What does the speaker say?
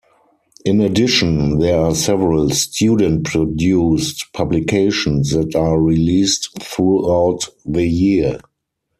In addition, there are several student-produced publications that are released throughout the year.